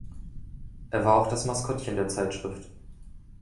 Er war auch das Maskottchen der Zeitschrift.